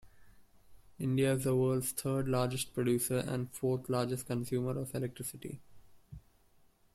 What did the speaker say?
India is the world's third largest producer and fourth largest consumer of electricity.